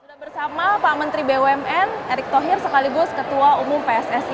sudah bersama pak menteri bumn erick thohir sekaligus ketua umum pssi